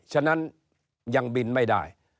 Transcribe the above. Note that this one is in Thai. ฉะนั้นยังบินไม่ได้